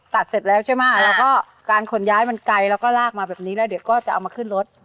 เสร็จแล้วใช่ไหมแล้วก็การขนย้ายมันไกลแล้วก็ลากมาแบบนี้แล้วเดี๋ยวก็จะเอามาขึ้นรถ